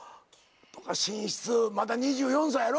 まだ２４歳やろ？